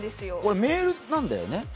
これ、メールなんだよね、